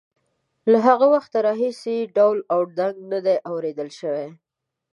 له هغه وخته راهیسې ډول او ډنګ نه دی اورېدل شوی.